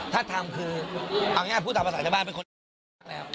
ถ้าทำคือเอาอย่างนี้ผู้ต่อปศักดิ์ในบ้านเป็นคนแล้ว